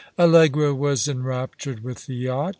Allegra was enraptured with the yacht.